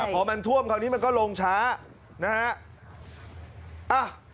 พอมันท่วมคราวนี้มันก็ลงช้านะฮะ